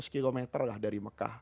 seratus km lah dari mekah